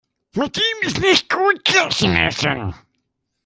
Mit ihm ist nicht gut Kirschen essen.